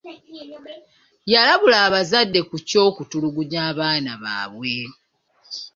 Yalabula abazadde ku ky'okutulugunya abaana baabwe.